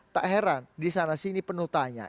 tak heran disana sini penuh tanya